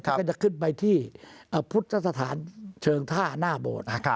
ก็จะขึ้นไปที่พุทธสถานเชิงท่าหน้าโบสถ์